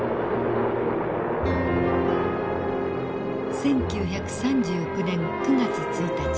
１９３９年９月１日。